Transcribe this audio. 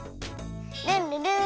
ルンルルーン。